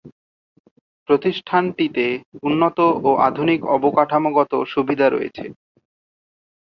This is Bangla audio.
প্রতিষ্ঠানটিতে উন্নত ও আধুনিক অবকাঠামোগত সুবিধা রয়েছে।